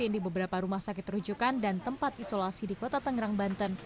di beberapa rumah sakit rujukan dan tempat isolasi di kota tangerang banten